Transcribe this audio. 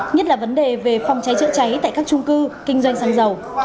nhất là vấn đề về phòng cháy chữa cháy tại các trung cư kinh doanh xăng dầu